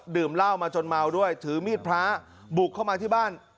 ดื่มเหล้ามาจนเมาด้วยถือมีดพระบุกเข้ามาที่บ้าน